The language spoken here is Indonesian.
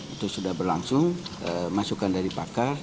itu sudah berlangsung masukan dari pakar